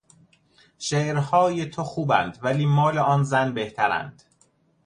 شعرهای تو خوباند ولی مال آن زن بهترند.